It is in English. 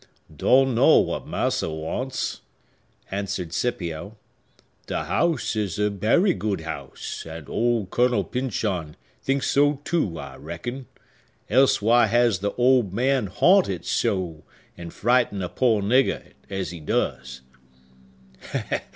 "Don't know what massa wants," answered Scipio. "The house is a berry good house, and old Colonel Pyncheon think so too, I reckon;—else why the old man haunt it so, and frighten a poor nigga, As he does?"